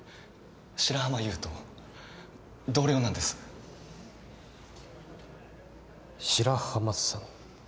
白浜優斗を同僚なんです白浜さん